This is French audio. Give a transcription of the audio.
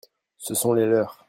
ce sont les leurs.